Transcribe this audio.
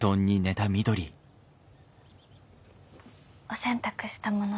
お洗濯したもの